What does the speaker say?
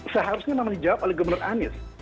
seharusnya memang dijawab oleh gubernur anies